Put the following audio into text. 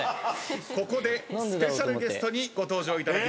ここでスペシャルゲストにご登場いただきます。